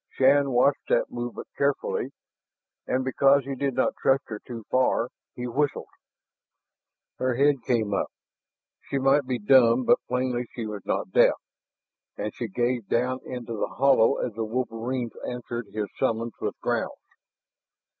Shann watched that movement carefully. And because he did not trust her too far, he whistled. Her head came up. She might be dumb, but plainly she was not deaf. And she gazed down into the hollow as the wolverines answered his summons with growls.